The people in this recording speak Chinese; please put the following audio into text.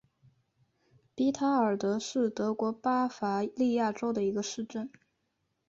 比塔尔德是德国巴伐利亚州的一个市镇。